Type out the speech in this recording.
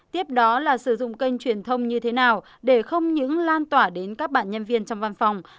tiếp đó là sử dụng kênh truyền thông như thế nào để không những lan tỏa đến các bạn nhân viên trong văn phòng